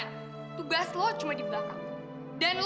nggak ada di sini kamu